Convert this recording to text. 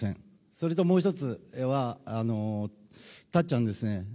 それと、もう１つはたっちゃんですね。